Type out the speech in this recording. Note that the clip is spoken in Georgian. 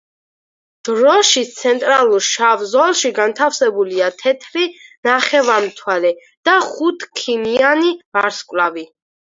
დროშის ცენტრალურ შავ ზოლში განთავსებულია თეთრი ნახევარმთვარე და ხუთქიმიანი ვარსკვლავი.